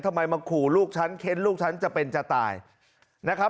มาขู่ลูกฉันเค้นลูกฉันจะเป็นจะตายนะครับ